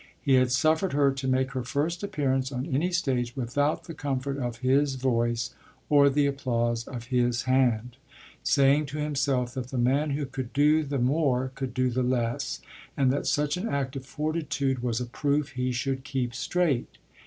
He had suffered her to make her first appearance on any stage without the comfort of his voice or the applause of his hand; saying to himself that the man who could do the more could do the less and that such an act of fortitude was a proof he should keep straight.